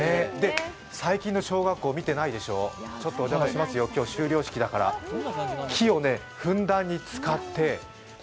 最近の小学校、見てないでしょう、ちょっとお邪魔しますよ、今日修了式だから木をふんだんに使って。